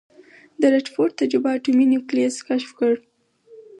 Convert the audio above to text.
د ردرفورډ تجربه اټومي نیوکلیس کشف کړ.